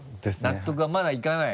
納得はまだいかない？